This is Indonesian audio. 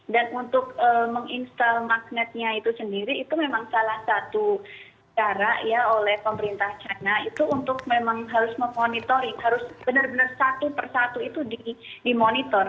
dan untuk menginstall magnetnya itu sendiri itu memang salah satu cara ya oleh pemerintah china itu untuk memang harus memonitoring harus benar benar satu persatu itu dimonitor